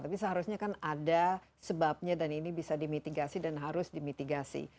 tapi seharusnya kan ada sebabnya dan ini bisa dimitigasi dan harus dimitigasi